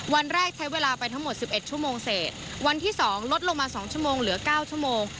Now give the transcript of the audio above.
วันแรกใช้เวลาไปทั้งหมด๑๑ชั่วโมงเศษวันที่๒ลดลงมา๒ชั่วโมงเหลือ๙ชั่วโมง